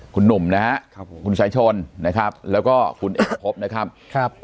คุณหนุ่มนะครับคุณสายชนนะครับแล้วก็คุณเอกพบนะครับ